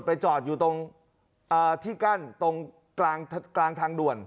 จอดอยู่ตรงที่กั้นตรงกลางทางด่วน